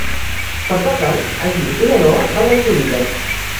Per Cap d'Any en Guim i na Noa van a Xulilla.